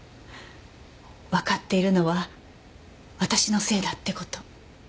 わかっているのは私のせいだって事。